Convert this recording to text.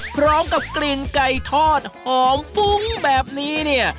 พร้อมกับกลิ่นไก่ทอดหอมฟุ้งแบบนี้เนี่ย